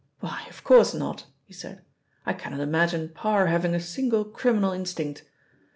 "Why, of course not," he said. "I cannot imagine Parr having a single criminal instinct.